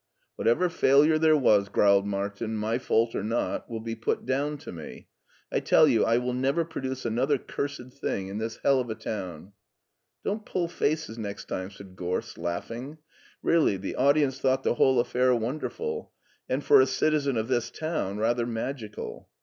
"Whatever failure there was," growled Martin, my fault or not, will be put down to me. I tell you I will never produce another cursed thing in this hell of a town." Don't pull faces next time," said Gorst, laughing. ''Really, the audience thought the whole affair Wonderful, and, for a citizen of this town, rather magical."